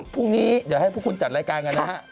พรุ่งนี้เดี๋ยวให้พวกคุณจัดรายการกันนะฮะ